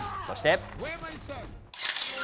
そして。